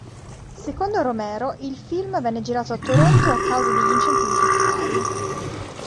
Secondo Romero, il film venne girato a Toronto a causa degli incentivi fiscali.